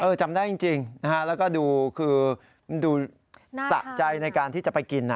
จำได้จริงนะฮะแล้วก็ดูคือดูสะใจในการที่จะไปกิน